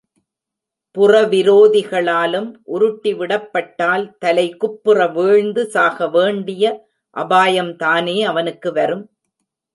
புறவிரோதிகளாலும் உருட்டி விடப்பட்டால் தலைகுப்புற வீழ்ந்து சாகவேண்டிய அபாயம் தானே அவனுக்கு வரும்.